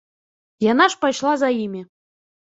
Яна ж пайшла за імі.